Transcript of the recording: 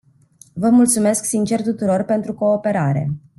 Vă mulțumesc sincer tuturor pentru cooperare.